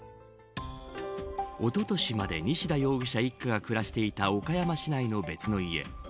おととしまで西田容疑者一家が暮らしていた岡山市内の別の家。